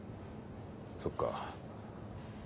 そっか。